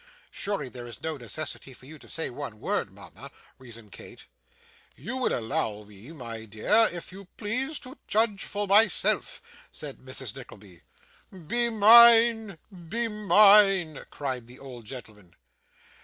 'Surely there is no necessity for you to say one word, mama?' reasoned Kate. 'You will allow me, my dear, if you please, to judge for myself,' said Mrs. Nickleby. 'Be mine, be mine!' cried the old gentleman.